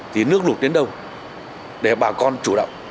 thì nước lụt đến đâu để bà con chủ động